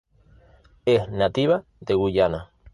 Es nativa de Guyana.